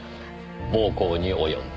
暴行に及んだ。